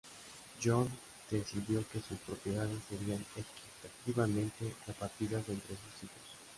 John decidió que sus propiedades serian equitativamente repartidas entre sus hijos.